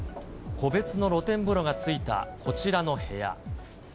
個別の露天風呂がついた、こちらの部屋。